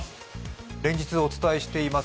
連日お伝えしています